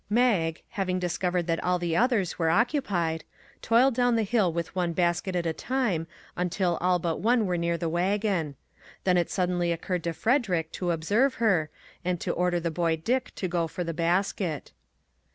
Mag, having discovered that all the others were occupied, toiled down the hill with one basket 240 IF WE ONLY HADN'T' 1 at a time until all but one were near the wagon ; then it suddenly occurred to Frederick to ob serve her, and to order the boy Dick to go for the basket.